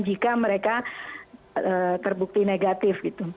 jika mereka terbukti negatif